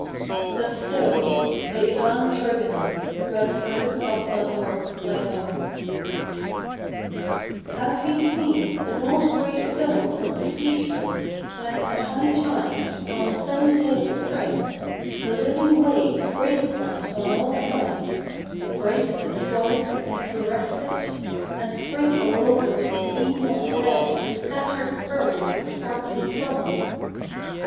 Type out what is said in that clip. ce of Christ. Dec, 1878. 304 POEMS IN PROSE n [1879 1882] THE STONE Have you seen an old grey stone on the sea shore, when at high tide, on a sunny day of spring, the living waves break upon it on all sides — break and frolic and caress it — and sprinkle over its sea mossed head the scattered pearls of sparkling foam